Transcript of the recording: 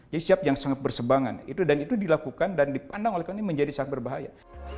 jadi siap yang sangat bersebangan itu dan itu dilakukan dan dipandang oleh kondisi menjadi sangat berbahaya